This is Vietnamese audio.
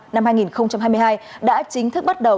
năm hai nghìn hai mươi hai đã chính thức bắt đầu